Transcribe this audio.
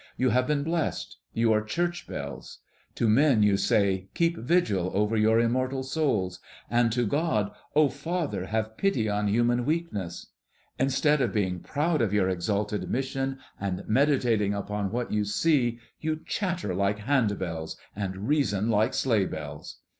You have been blessed; you are church bells. To men you say, 'Keep vigil over your immortal souls!' and to God, 'O Father, have pity on human weakness!' Instead of being proud of your exalted mission, and meditating upon what you see, you chatter like hand bells and reason like sleigh bells.